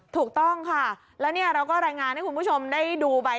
ถูกต้องค่ะแล้วเนี่ยเราก็รายงานให้คุณผู้ชมได้ดูไป